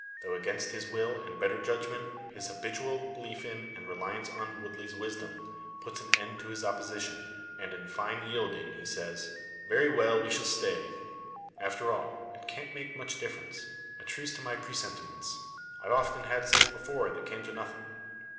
Though against his will and better judgment, his habitual belief in, and reliance on Woodley's wisdom, puts an end to his opposition; and in fine yielding, he says: "Very well; we shall stay. After all, it can't make much difference. A truce to my presentiments. I've often had such before, that came to nothing.